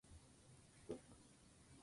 もうワンサイズ大きくできますか？